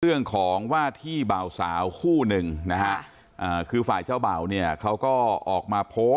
เรื่องของว่าที่เบาสาวคู่หนึ่งนะฮะคือฝ่ายเจ้าบ่าวเนี่ยเขาก็ออกมาโพสต์